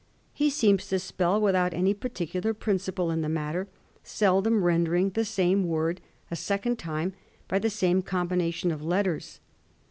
He seems to spell without any particular principle in the matter, seldom rendering the same word a second time by the same combination of letters.